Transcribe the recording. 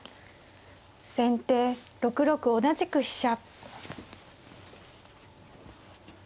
先手６六同じく飛車。